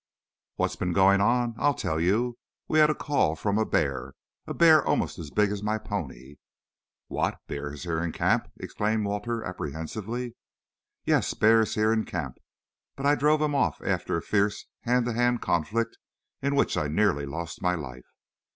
"What's been going on? I'll tell you. We had a call from a bear, a bear almost as big as my pony." "What, bears here in camp?" exclaimed Walter apprehensively. "Yes, bears here in camp. But I drove him off after a fierce hand to hand conflict in which I nearly lost my life.